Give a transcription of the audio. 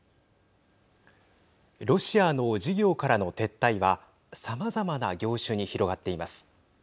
ロシアの事業からの撤退はさまざまな業種に広がっています。